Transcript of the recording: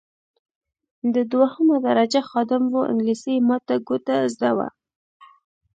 دی دوهمه درجه خادم وو انګلیسي یې ماته ګوډه زده وه.